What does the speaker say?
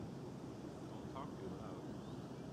Don't talk too loud.